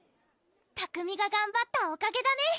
拓海ががんばったおかげだね！